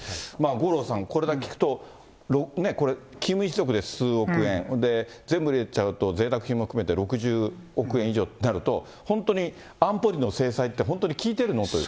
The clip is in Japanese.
五郎さん、これだけ聞くと、キム一族で数億円、それで全部入れちゃうとぜいたく品も含めて６０億円以上ってなると、本当に、安保理の制裁って本当にきいてるの？という。